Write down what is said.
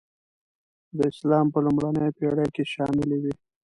د اسلام په لومړنیو پېړیو کې شاملي وې.